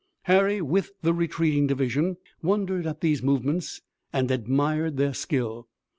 Harry with the retreating division wondered at these movements and admired their skill.